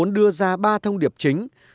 đưa ra ba thông điệp chính